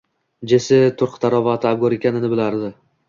Jessi turqi-tarovati abgor ekanini bilardi